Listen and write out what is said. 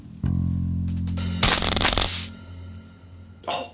あっ。